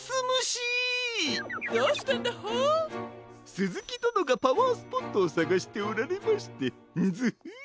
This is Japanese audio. すずきどのがパワースポットをさがしておられましてンヅフッ！